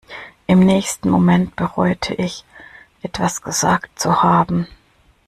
Im nächsten Moment bereute ich, etwas gesagt zu haben.